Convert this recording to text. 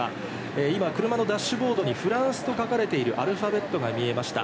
今、車のダッシュボードに「フランス」と書かれているアルファベットが見えました。